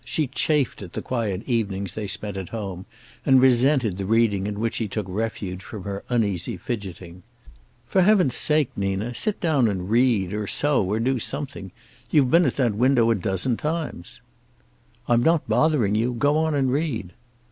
She chafed at the quiet evenings they spent at home, and resented the reading in which he took refuge from her uneasy fidgeting. "For Heaven's sake, Nina, sit down and read or sew, or do something. You've been at that window a dozen times." "I'm not bothering you. Go on and read."